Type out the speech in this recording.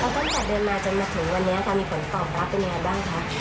ตั้งแต่เดินมาจนมาถึงวันนี้ค่ะมีผลตอบรับเป็นยังไงบ้างคะ